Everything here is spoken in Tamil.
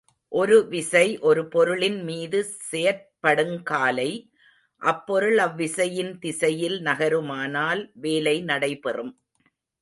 ஒரு விசை ஒரு பொருளின் மீது செயற்படுங் காலை, அப்பொருள் அவ்விசையின் திசையில் நகருமானால் வேலை நடைபெறும்.